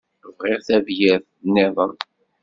Bɣiɣ tabyirt-iḍen.